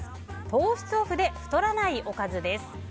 糖質オフで太らないおかずです。